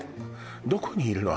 どこにいるの？